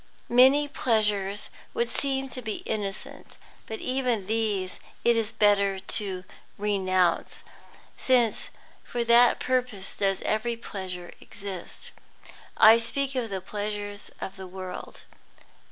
Many pleasures would seem to be innocent, but even these it is better to renounce, since for that purpose does every pleasure exist. I speak of the pleasures of the world.